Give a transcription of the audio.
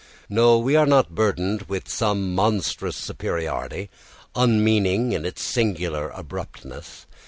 No, we are not burdened with some monstrous superiority, unmeaning in its singular abruptness.